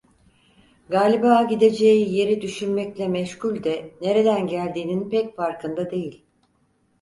Galiba gideceği yeri düşünmekle meşgul de, nereden geldiğinin pek farkında değil.